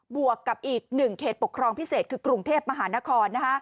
บวกกับอีกหนึ่งเคสปกครองพิเศษคือกรุงเทพมหานครนะฮะ